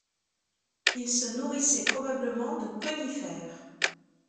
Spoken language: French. Il se nourrissait probablement de conifères.